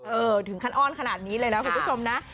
ถึงขั้นอ้อนขนาดนี้เลยนะคุณผู้ชมนะ